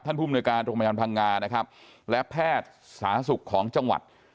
ภูมิในการโรงพยาบาลพังงานะครับและแพทย์สาธารณสุขของจังหวัด